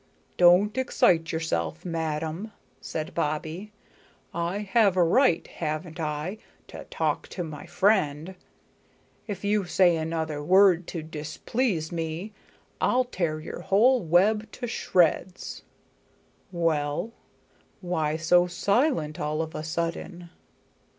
"Don't excite yourself, madam," said Bobbie. "I have a right, haven't I, to talk to my friend. If you say another word to displease me, I'll tear your whole web to shreds. Well? Why so silent all of a sudden?"